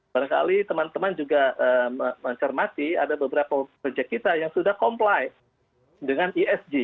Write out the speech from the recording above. barangkali teman teman juga mencermati ada beberapa project kita yang sudah comply dengan esg